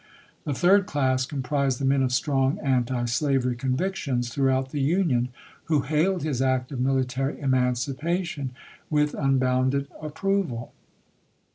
The third class comprised the men of strong antislavery convic tions throughout the Union who hailed his act of military emancipation with unbounded approval.